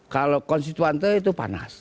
kalau konstituante itu panas